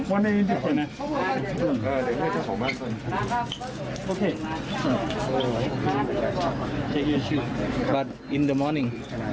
แปลกที่ไหน